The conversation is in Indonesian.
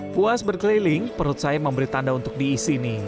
puas berkeliling perut saya memberi tanda untuk diisi nih